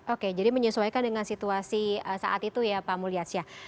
oke jadi menyesuaikan dengan situasi saat itu ya pak mulyas ya